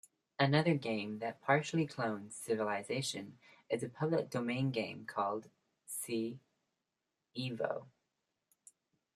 Another game that partially clones Civilization is a public domain game called "C-evo".